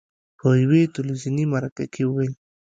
په یوې تلویزوني مرکې کې وویل: